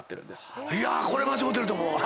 これ間違うてると思う俺。